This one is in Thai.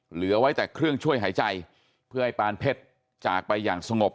เหลือไว้แต่เครื่องช่วยหายใจเพื่อให้ปานเพชรจากไปอย่างสงบ